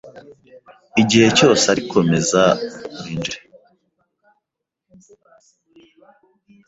Igihe cyose ari komeza winjire